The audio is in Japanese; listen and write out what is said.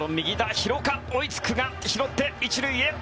廣岡、追いつくが拾って、１塁へ。